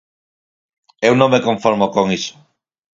Eu non me conformo con iso.